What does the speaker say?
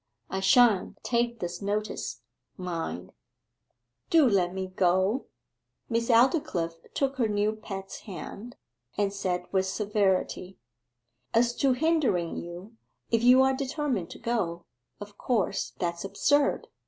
I shan't take this notice, mind.' 'Do let me go!' Miss Aldclyffe took her new pet's hand, and said with severity, 'As to hindering you, if you are determined to go, of course that's absurd.